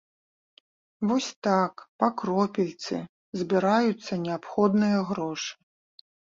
Вось так, па кропельцы, збіраюцца неабходныя грошы.